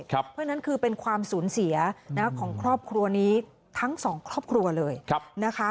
เพราะฉะนั้นคือเป็นความสูญเสียของครอบครัวนี้ทั้งสองครอบครัวเลยนะคะ